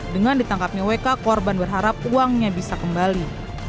dengan ditangkapnya wk korban berharap uangnya bisa kembali